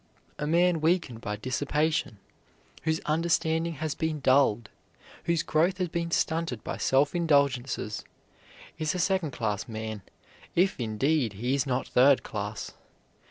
A man weakened by dissipation, whose understanding has been dulled, whose growth has been stunted by self indulgences, is a second class man, if, indeed, he is not third class.